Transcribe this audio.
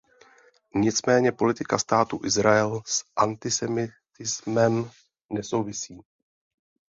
Nicméně politika státu Izrael s antisemitismem nesouvisí.